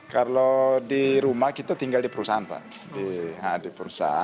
kalau di rumah kita tinggal di perusahaan pak